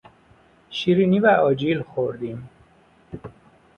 شیرینی و آجیل خوردیم.